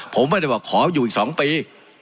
ผมไม่ได้บอกขออยู่อีก๒ปี